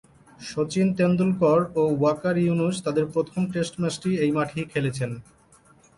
শচীন তেন্ডুলকর ও ওয়াকার ইউনুস তাদের প্রথম টেস্ট ম্যাচটি এই মাঠেই খেলেছেন।